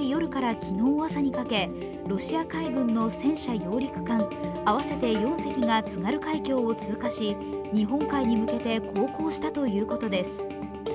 夜から昨日朝にかけロシア海軍の戦車揚陸艦計４隻が津軽海峡を通過し、日本海に向けて航行したということです。